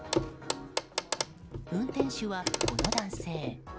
運転手は、この男性。